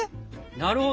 なるほど。